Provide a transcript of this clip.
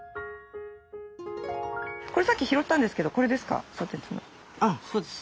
これさっき拾ったんですけどあそうです。